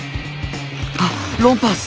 あっロンパース！